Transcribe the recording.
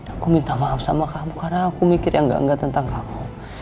aku minta maaf sama kamu karena aku mikir yang enggak enggak tentang kamu